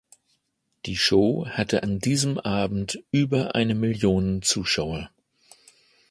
Die Show hatte an diesem Abend über eine Million Zuschauer.